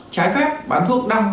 trái phép bán thuốc đăng